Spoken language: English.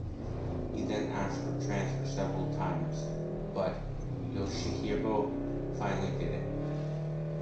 He then asked for transfer several times, but Yoshihiro finally did it.